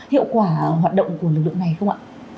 hiệu quả hoạt động của lực lượng này không ạ